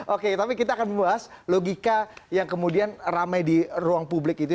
oke tapi kita akan membahas logika yang kemudian ramai di ruang publik itu